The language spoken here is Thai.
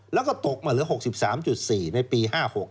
แล้วก็ตกมาเหลือ๖๓๔ในปี๕๖